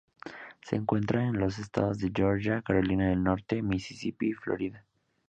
Se encuentra en los estados de Georgia, Carolina del Norte, Mississippi y Florida.